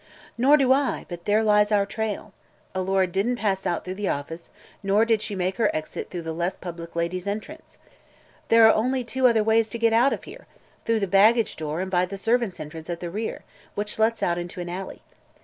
"Nor do I, but there lies our trail. Alora didn't pass out through the office, nor did she make her exit through the less public Ladies' Entrance. There are only two other ways to get out of here: through the baggage door and by the servants' entrance at the rear, which lets into an alley.